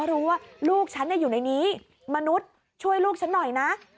รู้ว่าลูกฉันอยู่ในนี้มนุษย์ช่วยลูกฉันหน่อยนะ